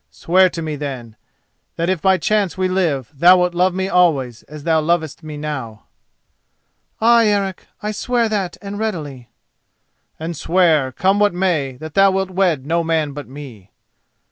Swear to me, then, that if by chance we live thou wilt love me always as thou lovest me now." "Ay, Eric, I swear that and readily." "And swear, come what may, that thou wilt wed no man but me."